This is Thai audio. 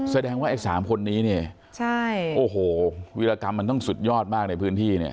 แสดงว่าไอ้สามคนนี้เนี่ยใช่โอ้โหวิรากรรมมันต้องสุดยอดมากในพื้นที่เนี่ย